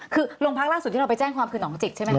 คือโรงพักล่าสุดที่เราไปแจ้งความคือหนองจิกใช่ไหมค